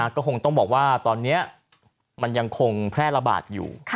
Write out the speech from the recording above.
ก็คงต้องบอกว่าตอนนี้มันยังคงแพร่ระบาดอยู่